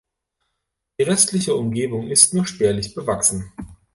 Die restliche Umgebung ist nur spärlich bewachsen.